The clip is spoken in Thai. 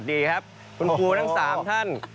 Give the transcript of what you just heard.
ดีครับคุณครูทั้ง๓ท่าน